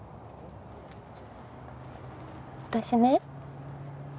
私ね。